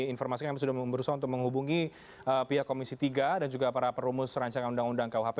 informasi kami sudah berusaha untuk menghubungi pihak komisi tiga dan juga para perumus rancangan undang undang kuhp